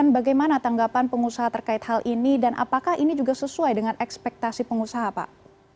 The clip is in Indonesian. bagaimana tanggapan pengusaha terkait hal ini dan apakah ini juga sesuai dengan ekspektasi pengusaha pak